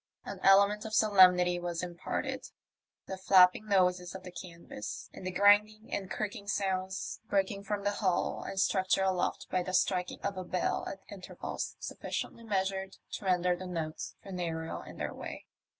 An element of solemnity was imparted to the flapping noises of the canvas and the grinding and creaking sounds breaking from the hull and structure aloft by the striking of a bell at intervals suflSciently measured to render the notes funereal in their way.